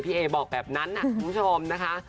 เอบอกแบบนั้นคุณผู้ชมนะคะ